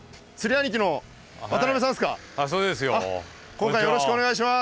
あっ今回よろしくお願いします。